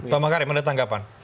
pak makarim ada tanggapan